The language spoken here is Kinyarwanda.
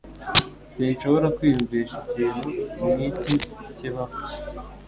Sinshobora kwiyumvisha ikintu nk'iki kibaho